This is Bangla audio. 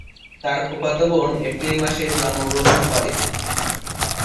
তার ফুফাতো বোন এপ্রিল মাসে জন্মগ্রহণ করে।